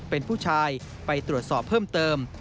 เป็นผู้ชายไปตรวจสอบเพิ่มเติม